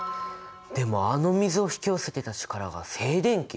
でもあの水を引き寄せてた力が静電気！？